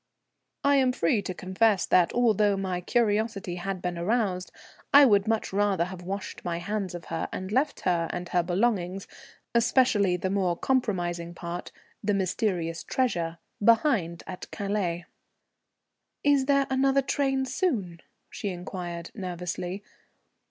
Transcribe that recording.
I am free to confess that, although my curiosity had been aroused, I would much rather have washed my hands of her, and left her and her belongings, especially the more compromising part, the mysterious treasure, behind at Calais. "Is there another train soon?" she inquired nervously.